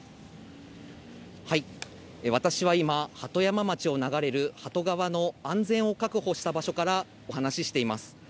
私は今、鳩山町を流れる鳩川の安全を確保した場所からお話しています。